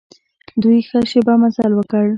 دوی ښه شېبه مزل وکړ.